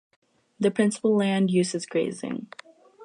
The principal land use is grazing.